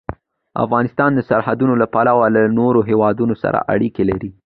افغانستان د سرحدونه له پلوه له نورو هېوادونو سره اړیکې لري.